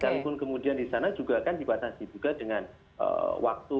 sekalipun kemudian di sana juga kan dibatasi juga dengan waktu